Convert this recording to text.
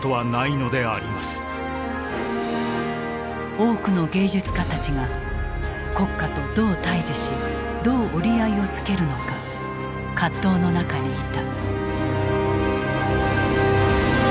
多くの芸術家たちが国家とどう対峙しどう折り合いをつけるのか葛藤の中にいた。